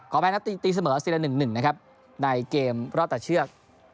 ก็แม้ตีเสมอสีละ๑๑นะครับในเกมรอบต่อเชือก